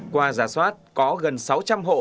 qua giả soát có gần sáu trăm linh hộ